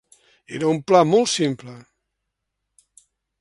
Era un pla molt simple.